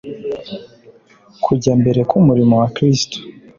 Kujya mbere k’umurimo wa Kristo,